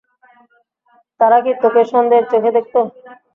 তারা কি তোকে সন্দেহের চোখে দেখত?